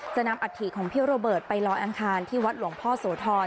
นำอัฐิของพี่โรเบิร์ตไปลอยอังคารที่วัดหลวงพ่อโสธร